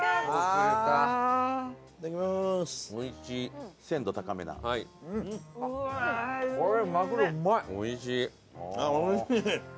あっおいしい。